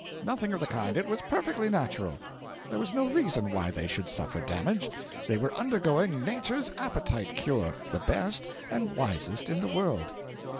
'Nothing of the kind. It was perfectly natural. There was no reason why they should suffer damage. They were undergoing Nature's Appetite Cure, the best and wisest in the world.'